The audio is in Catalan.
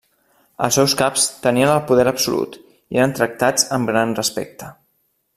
Els seus caps tenien el poder absolut i eren tractats amb gran respecte.